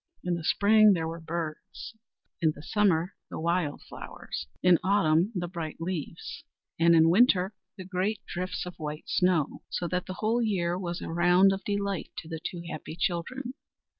In the spring there were birds, in the summer the wild flowers, in autumn the bright leaves, and in winter the great drifts of white snow; so that the whole year was a round of delight to the two happy children.